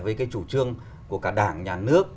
với chủ trương của cả đảng nhà nước